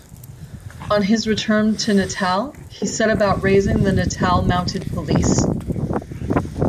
On his return to Natal he set about raising the Natal Mounted Police.